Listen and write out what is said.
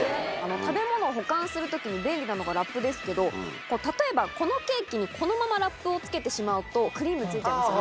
食べ物を保管する時に便利なのがラップですけど例えばこのケーキにこのままラップを付けてしまうとクリーム付いちゃいますよね。